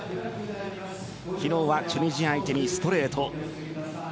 昨日はチュニジア相手にストレート。